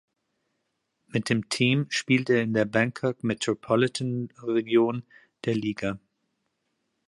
Mit dem Team spielt er in der Bangkok Metropolitan Region der Liga.